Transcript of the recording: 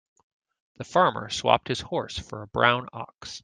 The farmer swapped his horse for a brown ox.